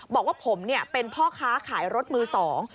บอกว่าผมเนี่ยเป็นพ่อค้าขายรถมือสอง